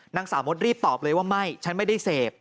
นางสาวมดรีบตอบเลยว่าไม่ฉันไม่ได้เสพ